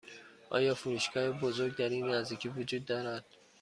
آیا فروشگاه بزرگ در این نزدیکی وجود دارد؟